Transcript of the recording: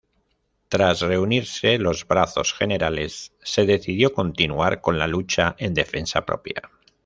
Tras reunirse los brazos generales, se decidió continuar con la lucha en defensa propia.